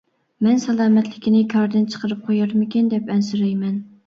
مەن سالامەتلىكىنى كاردىن چىقىرىپ قويارمىكىن دەپ ئەنسىرەيمەن.